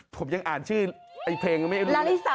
ผมยังอ่านชื่อไอ้เพลงยังไม่รู้